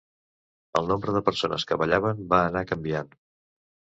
El nombre de persones que ballaven va anar canviant.